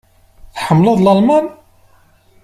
Tḥemmleḍ Lalman?